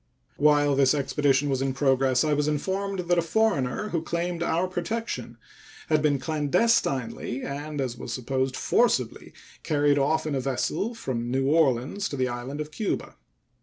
While this expedition was in progress I was informed that a foreigner who claimed our protection had been clandestinely and, as was supposed, forcibly carried off in a vessel from New Orleans to the island of Cuba.